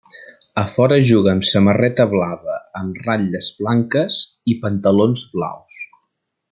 A fora juga amb samarreta blava amb ratlles blanques i pantalons blaus.